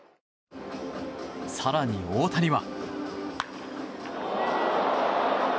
更に、大谷は。